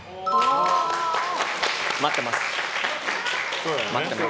待ってます。